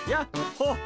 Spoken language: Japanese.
ほっ！